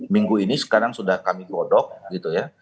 minggu ini sekarang sudah kami godok gitu ya